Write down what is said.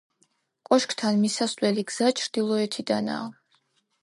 კოშკთან მისასვლელი გზა ჩრდილოეთიდანაა.